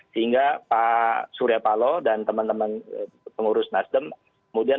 sehingga pak surya paloh dan teman teman pengurus nasjidem